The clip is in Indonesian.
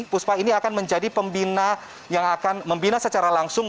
puspa ini akan menjadi pembina yang akan membina secara langsung